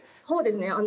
そうですね。